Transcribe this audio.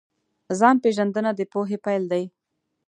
ځان پېژندنه د پوهې پیل دی.